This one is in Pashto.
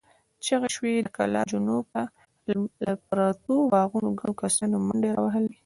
چيغې شوې، د کلا جنوب ته له پرتو باغونو ګڼو کسانو منډې را وهلې.